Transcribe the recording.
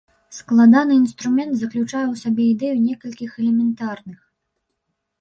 Складаны інструмент заключае ў сабе ідэю некалькіх элементарных.